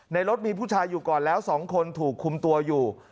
รถมีผู้ชายอยู่ก่อนแล้ว๒คนถูกคุมตัวอยู่